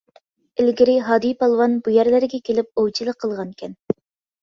ئىلگىرى ھادى پالۋان بۇ يەرلەرگە كېلىپ ئوۋچىلىق قىلغانىكەن.